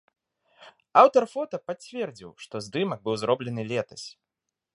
Аўтар фота пацвердзіў, што здымак быў зроблены летась.